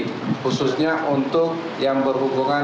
khususnya untuk yang berhubungan